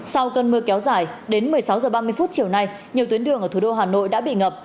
sau cơn mưa kéo dài đến một mươi sáu h ba mươi chiều nay nhiều tuyến đường ở thủ đô hà nội đã bị ngập